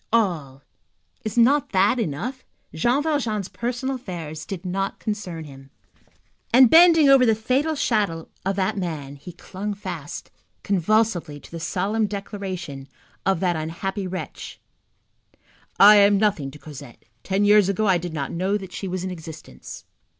All,—is not that enough? Jean Valjean's personal affairs did not concern him. And bending over the fatal shadow of that man, he clung fast, convulsively, to the solemn declaration of that unhappy wretch: "I am nothing to Cosette. Ten years ago I did not know that she was in existence."